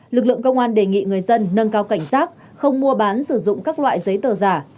lực lượng công an đề nghị người dân nâng cao cảnh giác không mua bán sử dụng các loại giấy tờ giả